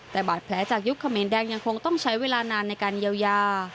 แต่บาดแผลจากยุคเขมรแดงยังคงต้องใช้เวลานานในการเยียวยา